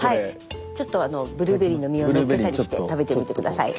ちょっとブルーベリーの実をのっけたりして食べてみて下さい。